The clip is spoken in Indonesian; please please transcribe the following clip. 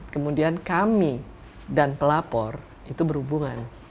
kemudian kami dan pelapor itu berhubungan